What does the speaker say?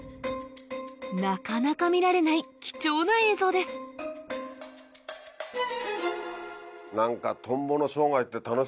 なかなか見られない貴重な映像です何か。